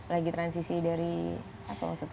lagi transisi dari apa waktu itu